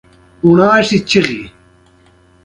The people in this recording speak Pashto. د ملخانو هجوم کرنې ته زیان رسوي